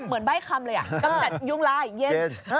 ใบ้คำเลยอ่ะกำจัดยุงลายเย็น